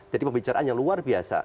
jadi pembicaraan yang luar biasa